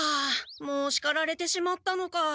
もうしかられてしまったのか。